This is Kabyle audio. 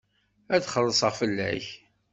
Ad xellṣeɣ fell-ak.